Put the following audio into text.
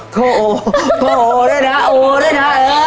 โถโอโถโอด้วยนะโอ้ด้วยนะ